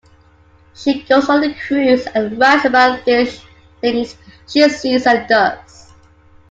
She goes on a cruise and writes about the things she sees and does.